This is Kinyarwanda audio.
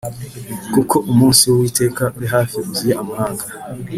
Kuko umunsi w Uwiteka uri hafi uziye amahanga